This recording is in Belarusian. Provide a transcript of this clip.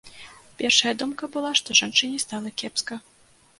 Першая думка была, што жанчыне стала кепска.